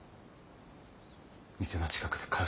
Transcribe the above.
店の近くでかよ